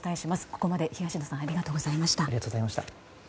ここまで東野さんありがとうございました。